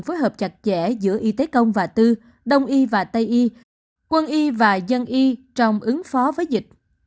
phối hợp chặt chẽ giữa y tế công và tư đông y và tây y quân y và dân y trong ứng phó với dịch